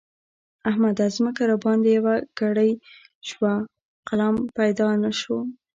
احمده! ځمکه راباندې يوه کړۍ شوه؛ قلم پيدا نه شو.